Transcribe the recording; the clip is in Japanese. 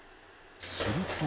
すると。